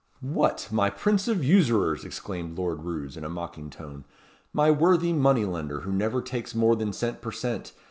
"What, my prince of usurers!" exclaimed Lord Roos, in a mocking tone; "my worthy money lender, who never takes more than cent. per cent.